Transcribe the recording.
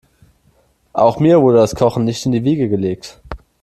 Auch mir wurde das Kochen nicht in die Wiege gelegt.